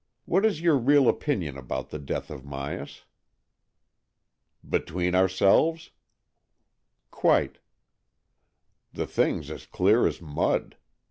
" What is your real opinion about the death of Myas ?" "Between ourselves?" " Quite." " The thing's as clear as mud.